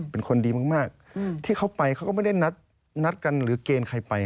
เป็นคนดีมากที่เขาไปเขาก็ไม่ได้นัดกันหรือเกณฑ์ใครไป